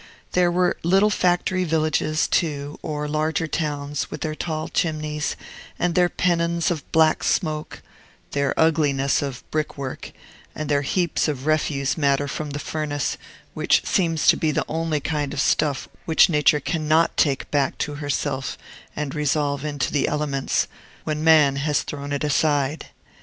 There were little factory villages, too, or larger towns, with their tall chimneys, and their pennons of black smoke, their ugliness of brick work, and their heaps of refuse matter from the furnace, which seems to be the only kind of stuff which Nature cannot take back to herself and resolve into the elements, when man has thrown it aside.